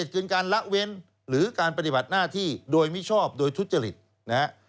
คือการละเว้นหรือการปฏิบัติหน้าที่โดยมิชอบโดยทุจริตนะฮะ